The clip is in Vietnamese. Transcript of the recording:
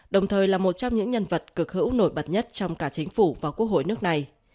đồng thời là một trong những nhân vật cực hữu nổi bật nhất trong cả chính phủ và quốc hội nước này